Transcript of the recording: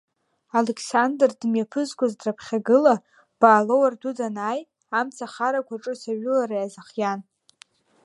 Алықьсандр, дымҩаԥызгоз драԥхьагыла, Баалоу рдәы данааи, амцахарақәа ҿыц ажәылара иазыхиан.